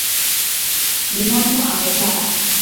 Binamu amekaa